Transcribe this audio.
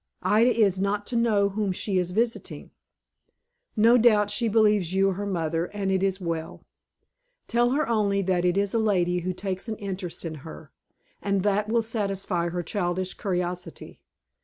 Ida is not to know whom she is visiting. No doubt she believes you her mother, and it is well. Tell her only, that it is a lady who takes an interest in her, and that will satisfy her childish curiosity.